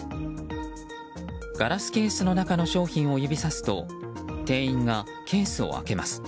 ガラスケースの中の商品を指さすと店員がケースを開けます。